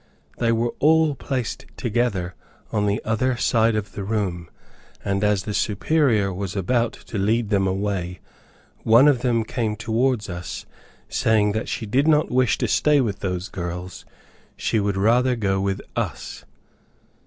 They were all placed together on the other side of the room; and as the Superior was about to lead them away, one of them came towards us saying that she did not wish to stay with those girls, she would rather go with us.